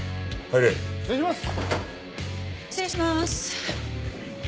失礼します。